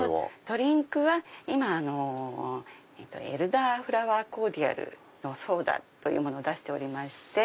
ドリンクは今エルダーフラワーコーディアルのソーダを出しておりまして。